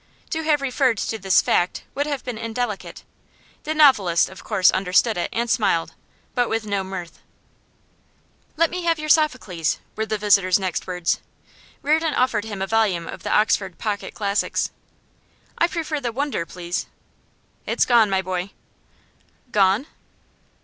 To have referred to this fact would have been indelicate; the novelist of course understood it, and smiled, but with no mirth. 'Let me have your Sophocles,' were the visitor's next words. Reardon offered him a volume of the Oxford Pocket Classics. 'I prefer the Wunder, please.' 'It's gone, my boy.' 'Gone?